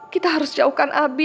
kita harus jauhkan abi